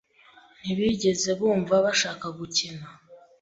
Ntibigeze bumva bashaka gukina.